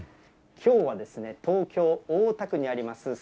きょうはですね、東京・大田区にあります